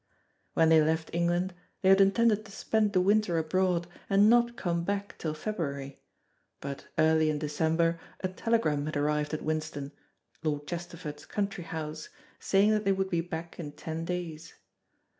When they left England, they had intended to spend the winter abroad and not come back till February, but early in December a telegram had arrived at Winston, Lord Chesterford's country house, saying that they would be back in ten days.